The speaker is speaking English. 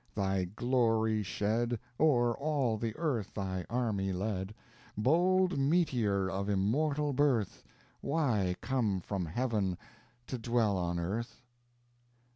thy glory shed, O'er all the earth, thy army led Bold meteor of immortal birth! Why come from Heaven to dwell on Earth?